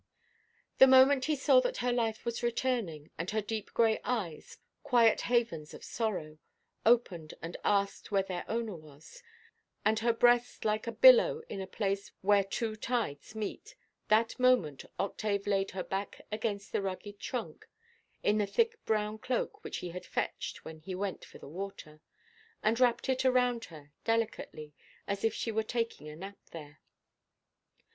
The moment he saw that her life was returning, and her deep grey eyes, quiet havens of sorrow, opened and asked where their owner was, and her breast rose like a billow in a place where two tides meet, that moment Octave laid her back against the rugged trunk, in the thick brown cloak which he had fetched when he went for the water; and wrapped it around her, delicately, as if she were taking a nap there.